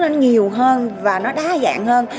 nó nhiều hơn và nó đa dạng hơn